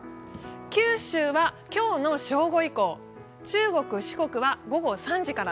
九州は今日の正午以降、中国・四国は午後３時から